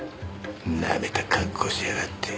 なめた格好しやがって。